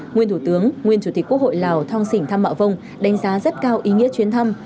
nguyên thủ tướng nguyên chủ tịch quốc hội lào thong sỉnh thoa mạ vông đánh giá rất cao ý nghĩa chuyến thăm